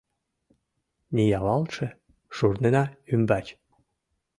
Ниялалтше шурнына ӱмбач